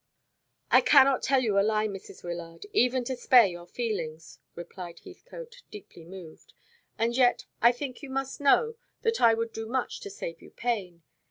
"I cannot tell you a lie, Mrs. Wyllard, even to spare your feelings," replied Heathcote, deeply moved, "and yet I think you must know that I would do much to save you pain.